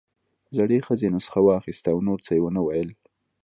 زړې ښځې نسخه واخيسته او نور څه يې ونه ويل.